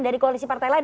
dari koalisi partai lain